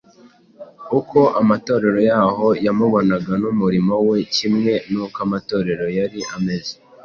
uko amatorero yaho yamubonaga n’umurimo we kimwe n’uko amatorero yari ameze